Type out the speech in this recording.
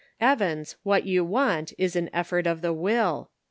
Evans what you want is an ef fort of the will.